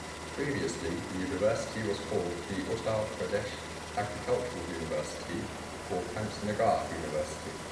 Previously the university was called the Uttar Pradesh Agricultural University or Pantnagar University.